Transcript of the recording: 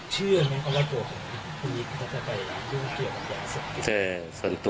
เชื่อมั้ยเอาละตัวของคุณอีกถ้าจะไปหลานดูเกี่ยวกับอย่างสุดท้าย